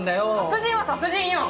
殺人は殺人よ！